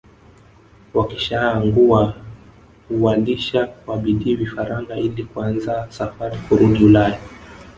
Wakishaangua huwalisha kwa bidii vifaranga ili kuanza safari kurudi Ulaya